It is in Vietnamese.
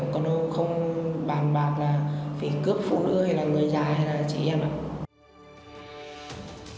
còn đâu không bàn bạc là phải cướp phụ nữ hay là người già hay là chị em ạ